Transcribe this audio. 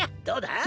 どうだ？